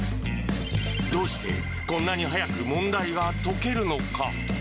どうしてこんなに速く問題が解けるのか。